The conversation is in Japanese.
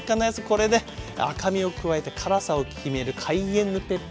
これで赤みを加えて辛さを決めるカイエンヌペッパー。